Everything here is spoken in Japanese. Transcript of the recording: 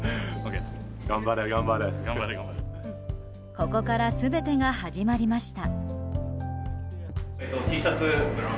ここから全てが始まりました。